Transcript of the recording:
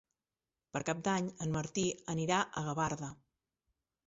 Per Cap d'Any en Martí anirà a Gavarda.